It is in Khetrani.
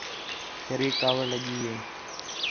شیریک کاوِڑ لڳی ہِے